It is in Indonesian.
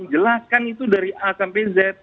jelaskan itu dari a sampai z